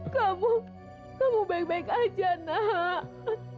kamu kamu baik baik aja nak